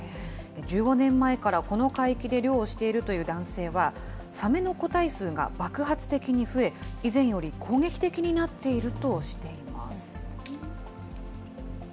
１５年前からこの海域で漁をしているという男性は、サメの個体数が爆発的に増え、以前より攻撃的になっているとしています。